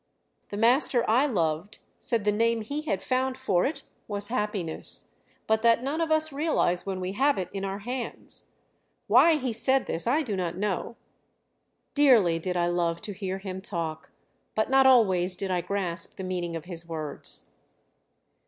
The master I loved said the name he had found for it was Happiness, but that none of us realize when we have it in our hands. Why he said this I do not know. Dearly did I love to hear him talk, but not always did I grasp the meaning of his words."